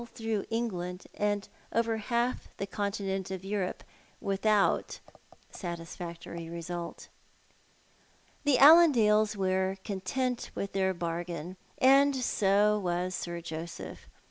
through England and over half the Continent of Europe ■with out satisfactory result The Allandales were content with their bargain, and so was Sir Joseph.